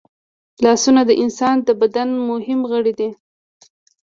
لاسونه د انسان د بدن مهم غړي دي